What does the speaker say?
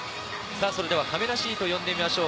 それではかめなシートを呼んでみましょう。